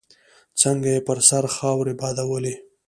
څنګه يې پر سر خاورې بادولې.